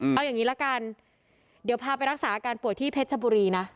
เอาอย่างนี้ละกันเดี๋ยวพาไปรักษาอาการป่วยที่เพชรชบุรีนะ